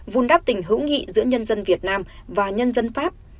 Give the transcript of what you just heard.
vùn đắp tình hữu nghị giữa nhân dân việt nam và nhân dân pháp